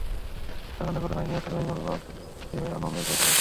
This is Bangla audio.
হত্যাকাণ্ডের ঘটনায় নিহত রহিমার বাবা আবদুল ওহাব বাদী হয়ে মামলা দায়ের করেছেন।